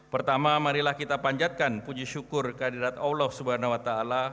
pertama marilah kita panjatkan puji syukur kehadirat allah swt